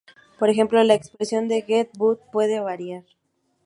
Por ejemplo, la expresión del gen Bt puede variar.